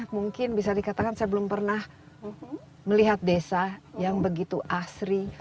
mungkin bisa dikatakan saya belum pernah melihat desa yang begitu asri